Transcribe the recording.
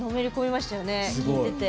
聞いてて。